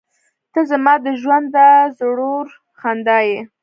• ته زما د ژونده زړور خندا یې.